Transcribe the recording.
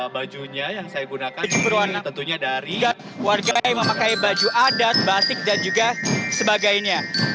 bajunya yang saya gunakan berwarna tentunya dari warga yang memakai baju adat batik dan juga sebagainya